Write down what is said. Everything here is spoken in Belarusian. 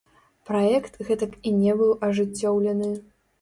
Праект гэтак і не быў ажыццёўлены.